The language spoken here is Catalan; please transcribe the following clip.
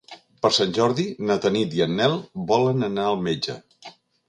Per Sant Jordi na Tanit i en Nel volen anar al metge.